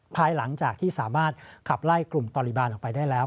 ภายหลังจากที่สามารถขับไล่กลุ่มตอริบาลออกไปได้แล้ว